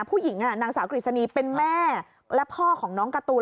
ผู้หญิงนางสาวกฤษณีเป็นแม่และพ่อของน้องการ์ตูน